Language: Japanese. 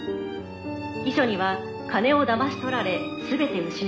「遺書には“金をだまし取られ全て失った”